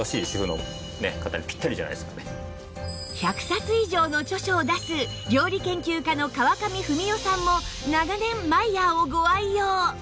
１００冊以上の著書を出す料理研究家の川上文代さんも長年マイヤーをご愛用